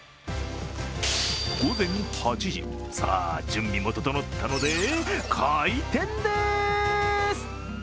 午前８時、さあ、準備も整ったので開店です！